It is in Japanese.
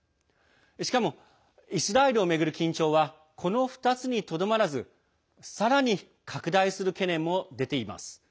しかも、イスラエルを巡る緊張はこの２つにとどまらずさらに拡大する懸念も出ています。